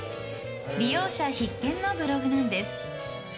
利用者必見のブログなんです。